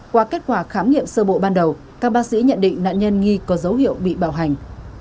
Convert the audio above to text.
qua kết quả khám nghiệm sơ bộ ban đầu các bác sĩ nhận định nạn nhân nghi có dấu hiệu bị bảo hành